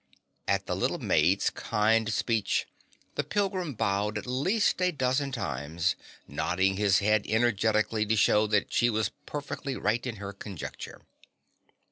At the little maid's kind speech, the pilgrim bowed at least a dozen times, nodding his head energetically to show that she was perfectly right in her conjecture.